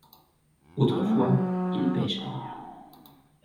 Autrefois ils pêchèrent.